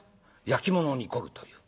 焼き物に凝るという。